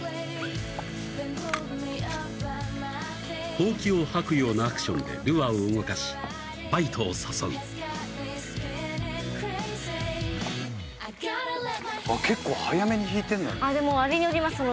ホウキをはくようなアクションでルアーを動かしバイトを誘う結構早めに引いてんだね